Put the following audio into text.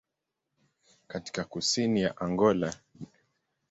Katika kusini ya Angola ni mpaka na Namibia.